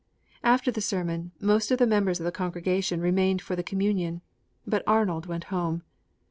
After the sermon, most of the members of the congregation remained for the Communion; but Arnold went home.